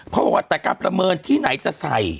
เขาบอกว่าแต่การประเมินที่ไหนจะใส่